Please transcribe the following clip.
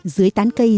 dưới tán cây